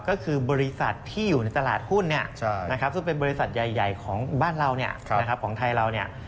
ก็คือบริษัทที่อยู่ในตลาดหุ้นเนี่ยนะครับซึ่งเป็นบริษัทใหญ่ของบ้านเราเนี่ยนะครับของไทยเราเนี่ย